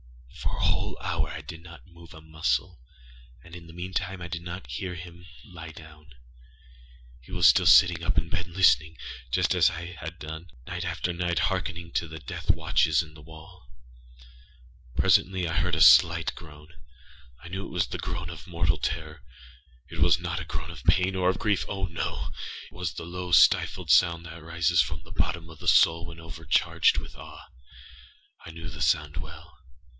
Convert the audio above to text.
For a whole hour I did not move a muscle, and in the meantime I did not hear him lie down. He was still sitting up in the bed listening; âjust as I have done, night after night, hearkening to the death watches in the wall. Presently I heard a slight groan, and I knew it was the groan of mortal terror. It was not a groan of pain or of griefâoh, no!âit was the low stifled sound that arises from the bottom of the soul when overcharged with awe. I knew the sound well.